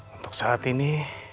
untuk saat ini